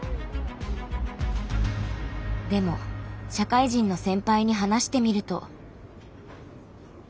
でも社会人の先輩に話してみると。